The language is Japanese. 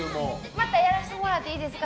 またやらしてもらってもいいですか？